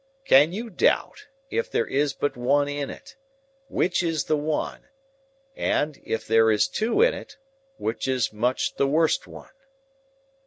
Can you doubt, if there is but one in it, which is the one, and, if there is two in it, which is much the worst one?